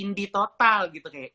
indie total gitu kayak